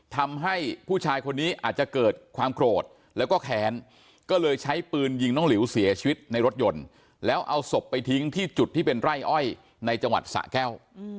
ทำให้ผู้ชายคนนี้อาจจะเกิดความโกรธแล้วก็แค้นก็เลยใช้ปืนยิงน้องหลิวเสียชีวิตในรถยนต์แล้วเอาศพไปทิ้งที่จุดที่เป็นไร่อ้อยในจังหวัดสะแก้ว